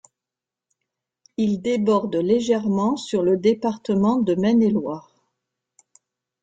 Il déborde légèrement sur le département de Maine-et-Loire.